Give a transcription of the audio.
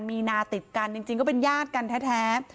มีนาติดกันจริงก็เป็นญาติกันแท้